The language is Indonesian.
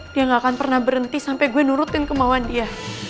dia gak akan pernah berhenti sampai gue nurutin kemauan dia